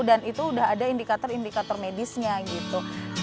dan itu sudah ada indikator indikator medisnya gitu